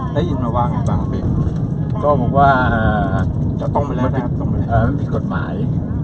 ได้ยินว่าไงบางทีก็บอกว่าจะต้องมาปิดกฎหมาย